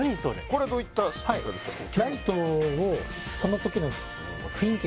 これどういったスピーカーですか？